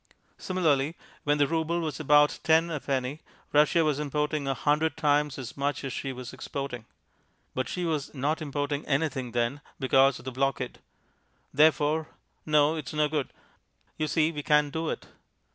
Similarly, when the rouble was about ten a penny, Russia was importing a hundred times as much as she was exporting. But she was not importing anything then because of the blockade. Therefore no, it's no good. You see, we can't do it.